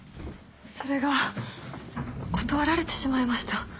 それが断られてしまいました。